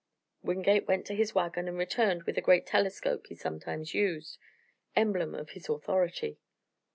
Wingate went to his wagon and returned with the great telescope he sometimes used, emblem of his authority.